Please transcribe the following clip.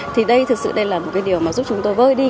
thì đây thực sự đây là một cái điều mà giúp chúng tôi vượt qua